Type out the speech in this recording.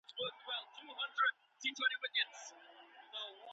ولي حضوري زده کړه د آنلاین زده کړي په پرتله ډیره طبیعي بریښي؟